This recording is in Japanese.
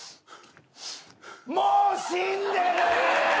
もう死んでる！